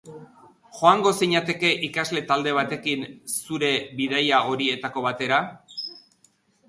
Joango zinateke ikasle talde batekin zure bidaia horietako batera?